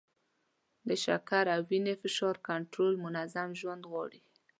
د شکر او وینې فشار کنټرول منظم ژوند غواړي.